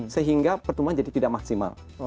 sehingga pertumbuhan jadi tidak maksimal